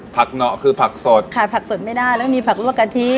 หนอคือผักสดขายผักสดไม่ได้แล้วก็มีผักลวกกะทิ